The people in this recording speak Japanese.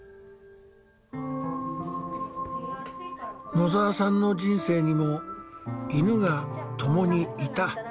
野澤さんの人生にも犬が共に居た。